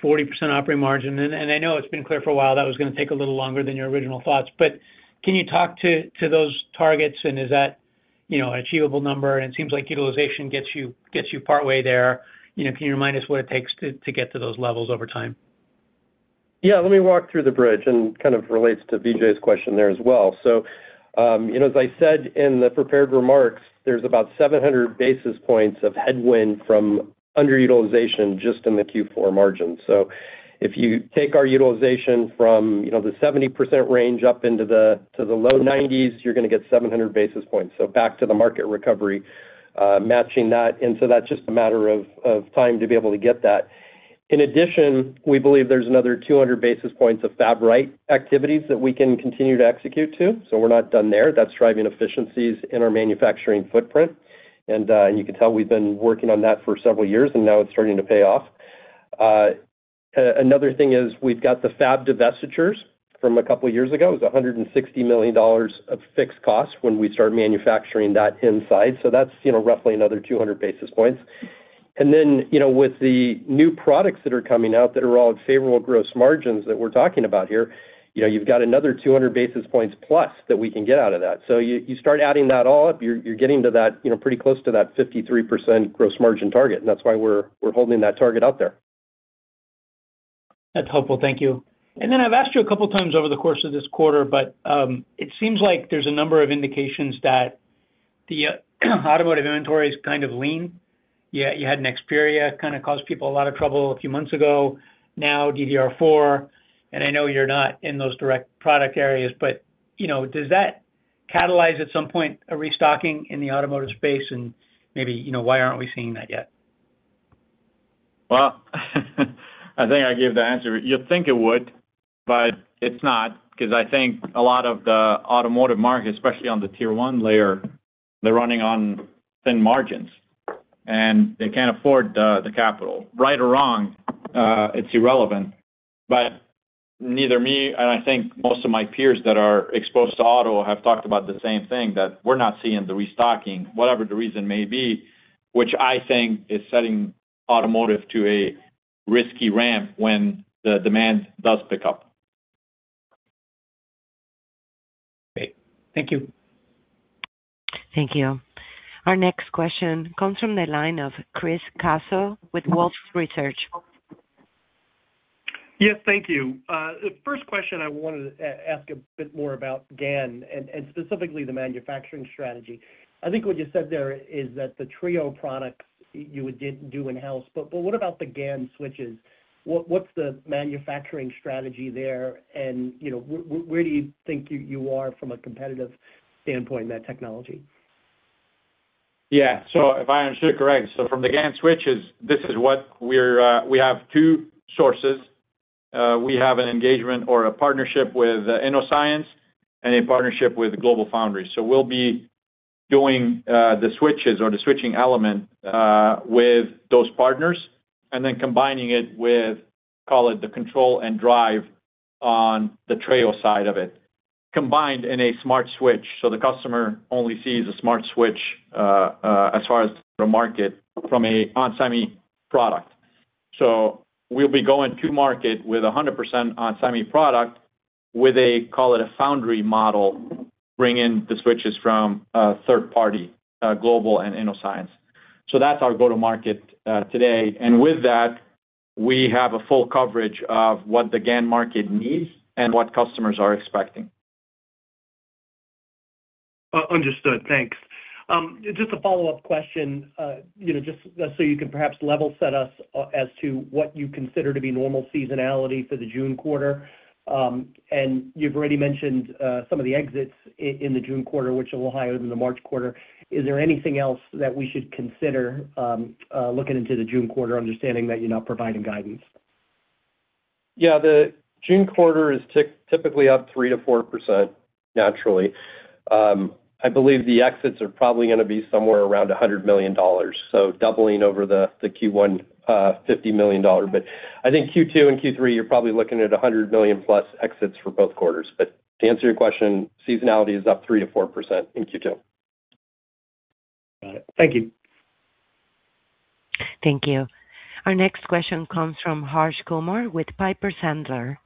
40% operating margin. I know it's been clear for a while that was going to take a little longer than your original thoughts. Can you talk to those targets, and is that an achievable number? It seems like utilization gets you partway there. Can you remind us what it takes to get to those levels over time? Yeah. Let me walk through the bridge and kind of relates to Vijay's question there as well. So as I said in the prepared remarks, there's about 700 basis points of headwind from underutilization just in the Q4 margin. So if you take our utilization from the 70% range up into the low 90s, you're going to get 700 basis points. So back to the market recovery, matching that. And so that's just a matter of time to be able to get that. In addition, we believe there's another 200 basis points of FabRight activities that we can continue to execute to. So we're not done there. That's driving efficiencies in our manufacturing footprint. And you can tell we've been working on that for several years, and now it's starting to pay off. Another thing is we've got the fab divestitures from a couple of years ago. It was $160 million of fixed costs when we start manufacturing that inside. So that's roughly another 200 basis points. And then with the new products that are coming out that are all favorable gross margins that we're talking about here, you've got another 200 basis points plus that we can get out of that. So you start adding that all up, you're getting pretty close to that 53% gross margin target. And that's why we're holding that target out there. That's helpful. Thank you. And then I've asked you a couple of times over the course of this quarter, but it seems like there's a number of indications that the automotive inventory is kind of lean. You had a Nexperia kind of cause people a lot of trouble a few months ago. Now, DDR4. And I know you're not in those direct product areas, but does that catalyze at some point a restocking in the automotive space? And maybe why aren't we seeing that yet? Well, I think I gave the answer. You'd think it would, but it's not because I think a lot of the automotive market, especially on the tier one layer, they're running on thin margins, and they can't afford the capital. Right or wrong, it's irrelevant. But neither me, and I think most of my peers that are exposed to auto have talked about the same thing, that we're not seeing the restocking, whatever the reason may be, which I think is setting automotive to a risky ramp when the demand does pick up. Great. Thank you. Thank you. Our next question comes from the line of Chris Caso with Wolfe Research. Yes. Thank you. The first question, I wanted to ask a bit more about GaN and specifically the manufacturing strategy. I think what you said there is that the Treo products, you would do in-house. But what about the GaN switches? What's the manufacturing strategy there, and where do you think you are from a competitive standpoint in that technology? Yeah. So if I understood correctly, so from the GaN switches, this is what we have: two sources. We have an engagement or a partnership with Innoscience and a partnership with GlobalFoundries. So we'll be doing the switches or the switching element with those partners and then combining it with, call it, the control and drive on the Treo side of it, combined in a smart switch. So the customer only sees a smart switch as far as the market from an onsemi product. So we'll be going to market with 100% onsemi product with a, call it, a foundry model, bringing the switches from a third party, Global and Innoscience. So that's our go-to-market today. And with that, we have a full coverage of what the GaN market needs and what customers are expecting. Understood. Thanks. Just a follow-up question, just so you can perhaps level set us as to what you consider to be normal seasonality for the June quarter. And you've already mentioned some of the exits in the June quarter, which are a little higher than the March quarter. Is there anything else that we should consider looking into the June quarter, understanding that you're not providing guidance? Yeah. The June quarter is typically up 3%-4% naturally. I believe the exits are probably going to be somewhere around $100 million, so doubling over the Q1, $50 million. But I think Q2 and Q3, you're probably looking at 100 million+ exits for both quarters. But to answer your question, seasonality is up 3%-4% in Q2. Got it. Thank you. Thank you. Our next question comes from Harsh Kumar with Piper Sandler.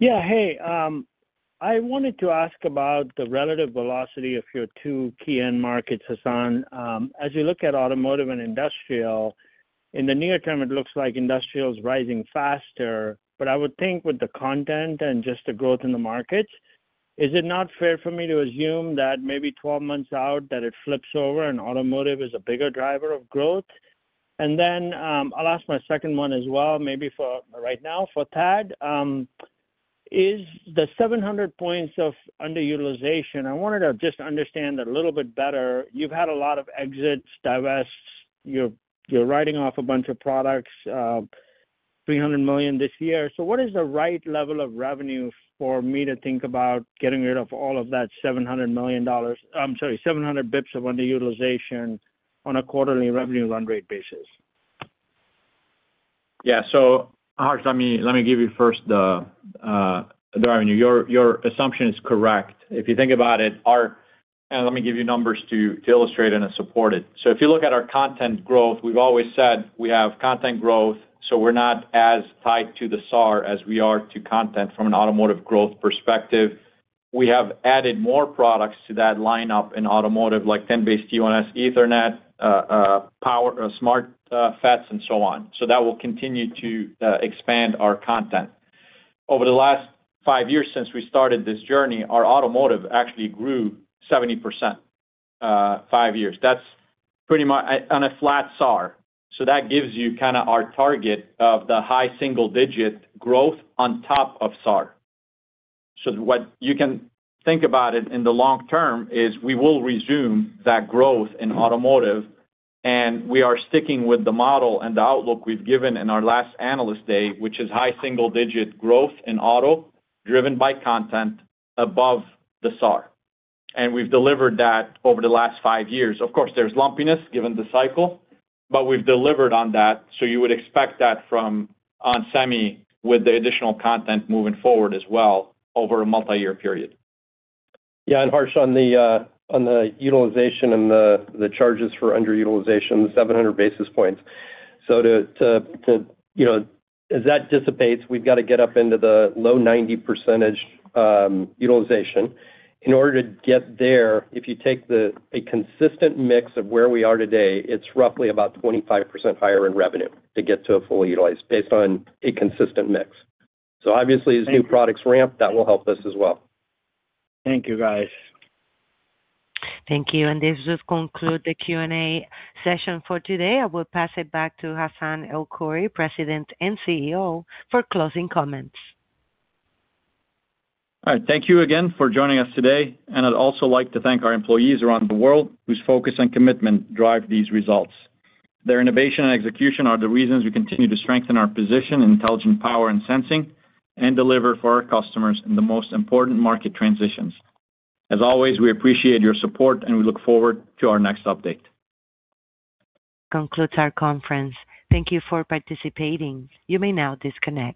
Yeah. Hey. I wanted to ask about the relative velocity of your two key end markets, Hassane. As you look at automotive and industrial, in the near term, it looks like industrial is rising faster. But I would think with the content and just the growth in the markets, is it not fair for me to assume that maybe 12 months out, that it flips over and automotive is a bigger driver of growth? And then I'll ask my second one as well, maybe right now for Thad. Is the 700 points of underutilization I wanted to just understand a little bit better. You've had a lot of exits, divests. You're writing off a bunch of products, $300 million this year. What is the right level of revenue for me to think about getting rid of all of that $700 million, I'm sorry, 700 basis points of underutilization on a quarterly revenue run rate basis? Yeah. So Harsh, let me give you first the revenue. Your assumption is correct. If you think about it, our and let me give you numbers to illustrate and to support it. So if you look at our content growth, we've always said we have content growth. So we're not as tied to the SAAR as we are to content from an automotive growth perspective. We have added more products to that lineup in automotive, like 10BASE-T1S Ethernet, SmartFETs, and so on. So that will continue to expand our content. Over the last five years since we started this journey, our automotive actually grew 70% five years. That's pretty much on a flat SAAR. So that gives you kind of our target of the high single-digit growth on top of SAAR. So what you can think about it in the long term is we will resume that growth in automotive, and we are sticking with the model and the outlook we've given in our last analyst day, which is high single-digit growth in auto driven by content above the SAAR. And we've delivered that over the last five years. Of course, there's lumpiness given the cycle, but we've delivered on that. So you would expect that from onsemi with the additional content moving forward as well over a multi-year period. Yeah. And Harsh, on the utilization and the charges for underutilization, the 700 basis points. So as that dissipates, we've got to get up into the low 90% utilization. In order to get there, if you take a consistent mix of where we are today, it's roughly about 25% higher in revenue to get to a fully utilized based on a consistent mix. So obviously, as new products ramp, that will help us as well. Thank you, guys. Thank you. This just concludes the Q&A session for today. I will pass it back to Hassane El-Khoury, President and CEO, for closing comments. All right. Thank you again for joining us today. I'd also like to thank our employees around the world whose focus and commitment drive these results. Their innovation and execution are the reasons we continue to strengthen our position in intelligent power and sensing and deliver for our customers in the most important market transitions. As always, we appreciate your support, and we look forward to our next update. Concludes our conference. Thank you for participating. You may now disconnect.